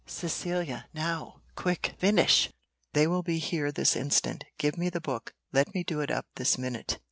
Cecilia, now, quick, finish; they will be here this instant. Give me the book; let me do it up this minute."